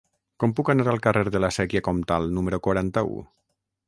Com puc anar al carrer de la Sèquia Comtal número quaranta-u?